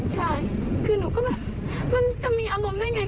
ใช่คือหนูก็แบบมันจะมีอารมณ์ได้ไง